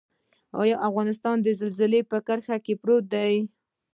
آیا افغانستان د زلزلې په کرښه پروت دی؟